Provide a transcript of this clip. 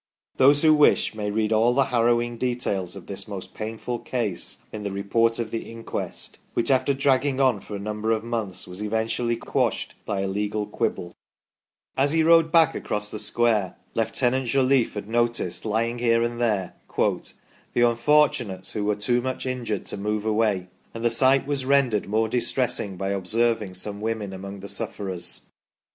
Those who wish may read all the harrowing details of this most painful case in the Report of the Inquest, which after dragging on for a number of months was eventually quashed by a legal quibble. 42 THE STORY OF PETERLOO As he rode back across the square, Lieutenant Jolliffe had noticed, lying here and there, " the unfortunates who were too much injured to move away, and the sight was rendered more distressing by observing some women among the sufferers